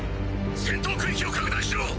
戦闘区域を拡大しろ！